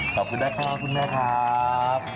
ขอบคุณนะครับคุณแม่ครับ